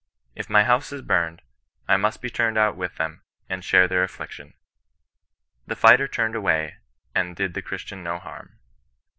If my house is humed^ I must he turned out with them, and share their afflic tion." The fighter turned away and did the Christian no harm.